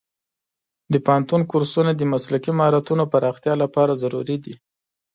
د پوهنتون کورسونه د مسلکي مهارتونو پراختیا لپاره ضروري دي.